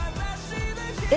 え？